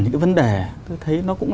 những cái vấn đề tôi thấy nó cũng